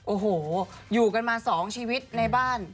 โอ้โหอยู่กันมา๒ชีวิตในบ้าน